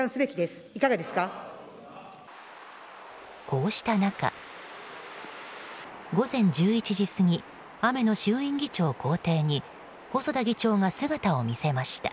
こうした中、午前１１時過ぎ雨の衆院議長公邸に細田議長が姿を見せました。